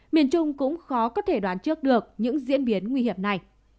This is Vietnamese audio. miền trung cũng khó có thể đoán trước được những diễn biến nguy hiểm này